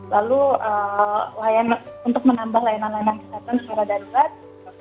lalu untuk menambah layanan layanan kesehatan secara darurat